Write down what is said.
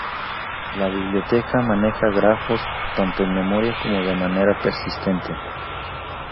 La biblioteca maneja grafos, tanto en memoria como de manera persistente.